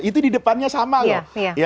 itu di depannya sama loh